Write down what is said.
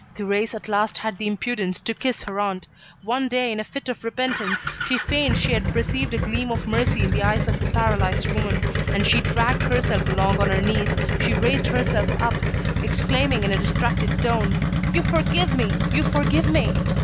Thérèse, at last, had the impudence to kiss her aunt. One day, in a fit of repentance, she feigned she had perceived a gleam of mercy in the eyes of the paralysed woman; and she dragged herself along on her knees, she raised herself up, exclaiming in a distracted tone: "You forgive me! You forgive me!"